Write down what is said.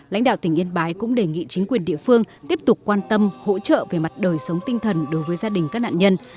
lãnh đạo tỉnh yên bái cũng đề nghị chính quyền địa phương tiếp tục quan tâm hỗ trợ về mặt đời sống tinh thần đối với gia đình các nạn nhân